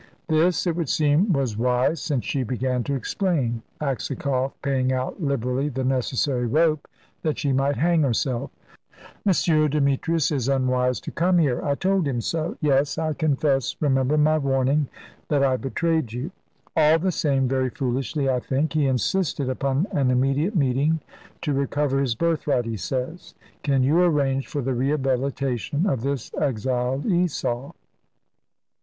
This, it would seem, was wise, since she began to explain, Aksakoff paying out liberally the necessary rope that she might hang herself. "M. Demetrius is unwise to come here. I told him so; yes, I confess remember my warning that I betrayed you. All the same very foolishly, I think he insisted upon an immediate meeting, to recover his birthright, he says. Can you arrange for the rehabilitation, of this exiled Esau?"